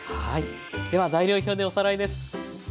はいでは材料表でおさらいです。